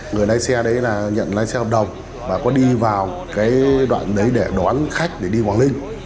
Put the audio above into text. người lái xe đấy là nhận lái xe hợp đồng và có đi vào cái đoạn đấy để đón khách để đi quảng linh